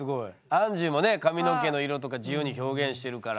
アンジーもね髪の毛の色とか自由に表現してるから。